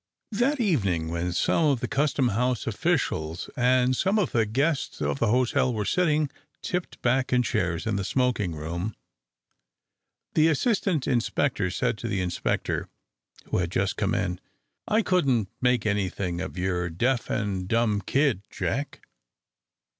That evening, when some of the custom house officials and some of the guests of the hotel were sitting tipped back in chairs in the smoking room, the assistant inspector said to the inspector, who had just come in, "I couldn't make anything of your deaf and dumb kid, Jack."